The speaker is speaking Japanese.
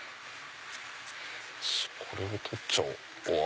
これを取っちゃおう。